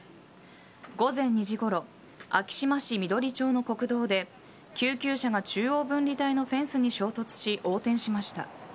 午前２時ごろ昭島市緑町の国道で救急車が中央分離帯のフェンスに衝突し横転しました。